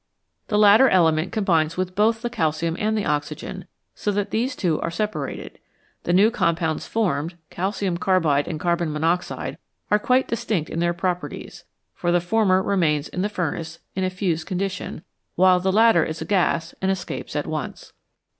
This latter element combines with both the calcium and the oxygen, so that these two are sepa rated. The new compounds formed, calcium carbide and carbon monoxide, are quite distinct in their properties, for the former remains in the furnace in a fused con dition, while the latter is a gas, and escapes at once.